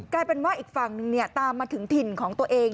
กลายเป็นว่าอีกฝั่งนึงตามมาถึงถิ่นของตัวเอง